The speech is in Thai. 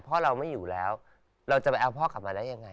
พ่อเราไม่อยู่แล้วเราจะไปเอาพ่อกลับมาได้ยังไง